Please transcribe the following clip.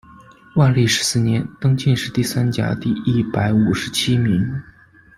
万历十四年，登进士第三甲第一百五十七名。